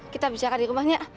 kita bicarakan di rumahnya